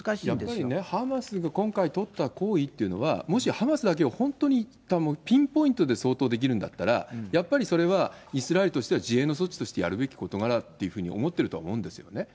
やっぱりね、ハマスが今回取った行為っていうのは、もしハマスだけを本当にピンポイントで掃討できるんだったら、やっぱりそれはイスラエルとしては自衛の措置としてやるべき事柄というふうに思ってると思うんですよね。